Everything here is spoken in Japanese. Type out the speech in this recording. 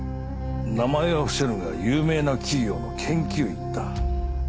名前は伏せるが有名な企業の研究員だ。